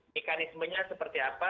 mekanismenya seperti apa